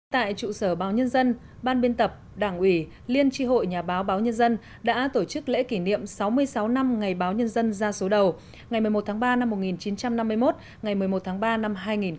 tại trụ sở báo nhân dân ban biên tập đảng ủy liên tri hội nhà báo báo nhân dân đã tổ chức lễ kỷ niệm sáu mươi sáu năm ngày báo nhân dân ra số đầu ngày một mươi một tháng ba năm một nghìn chín trăm năm mươi một ngày một mươi một tháng ba năm hai nghìn hai mươi